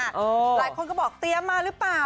หลายคนก็บอกเตรียมมาหรือเปล่า